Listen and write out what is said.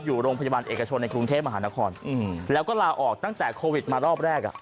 อยู่โรงพยาบาลเอกชนในกรุงเทพมหานครแล้วก็ลาออกตั้งแต่โควิดมารอบแรกอ่ะ